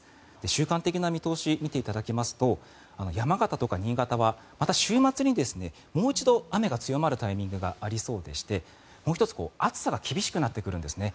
週間的な見通し見ていただきますと山形とか新潟は、また週末にもう一度雨が強まるタイミングがありましてもう１つ暑さが厳しくなってくるんですね。